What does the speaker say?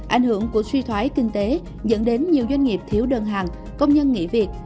ảnh hưởng của suy thoái kinh tế dẫn đến nhiều doanh nghiệp thiếu đơn hàng công nhân nghỉ việc